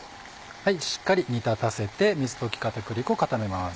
しっかり煮立たせて水溶き片栗粉を固めます。